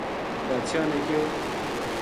بادشاہ نے کہیو